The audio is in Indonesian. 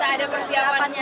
bisa ada persiapannya